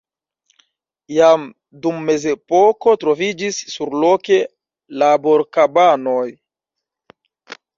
Jam dum Mezepoko troviĝis surloke laborkabanoj.